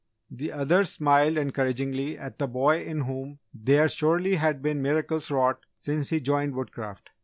The others smiled encouragingly at the boy in whom there surely had been miracles wrought since he joined Woodcraft.